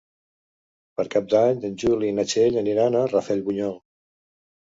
Per Cap d'Any en Juli i na Txell aniran a Rafelbunyol.